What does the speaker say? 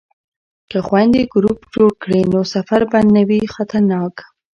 که خویندې ګروپ جوړ کړي نو سفر به نه وي خطرناک.